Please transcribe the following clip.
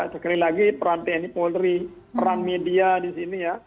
sekali lagi peran tni polri peran media di sini ya